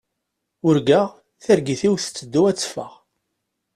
Urgaɣ, targit-iw tetteddu ad teffeɣ.